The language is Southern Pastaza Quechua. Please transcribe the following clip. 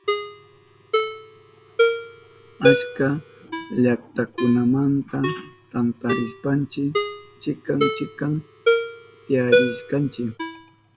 Achka llaktakunamanta tantarishpanchi chikan chikan tiyarishkanchi.